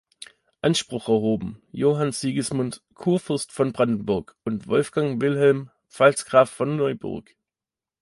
Anspruch erhoben "Johann Sigismund, Kurfürst von Brandenburg" und "Wolfgang Wilhelm, Pfalzgraf von Neuburg".